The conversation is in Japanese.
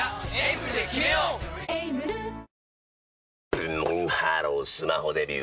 ブンブンハロースマホデビュー！